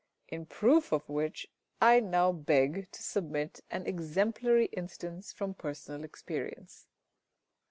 In proof of which I now beg to submit an exemplary instance from personal experience.